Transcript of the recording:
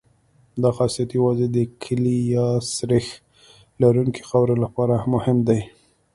دا خاصیت یوازې د کلې یا سریښ لرونکې خاورې لپاره مهم دی